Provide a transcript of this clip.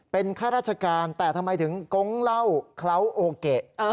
เป็นข้าราชการแต่ทำไมถึงกงเหล้าเคล้าโอเกะ